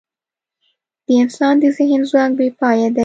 د انسان د ذهن ځواک بېپایه دی.